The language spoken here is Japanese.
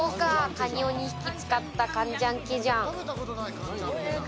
カニを２匹使ったカンジャンケジャン。